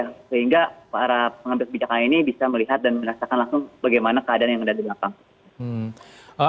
sehingga para pengambil kebijakan ini bisa melihat dan merasakan langsung bagaimana keadaan yang ada di belakang